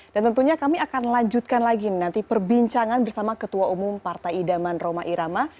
dan tentunya kami akan lanjutkan lagi nanti perbincangan bersama ketua umum partai idaman roma irama